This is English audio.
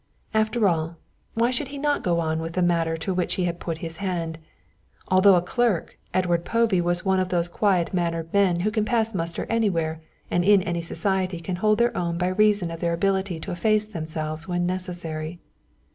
After all, why should he not go on with the matter to which he had put his hand? Although a clerk, Edward Povey was one of those quiet mannered men who can pass muster anywhere and in any society can hold their own by reason of their ability to efface themselves when necessary.